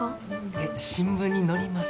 えっ新聞に載ります？